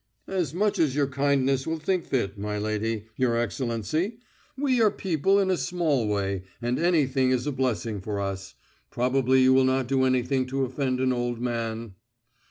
"As much as your kindness will think fit, my lady, your Excellency.... We are people in a small way, and anything is a blessing for us.... Probably you will not do anything to offend an old man...."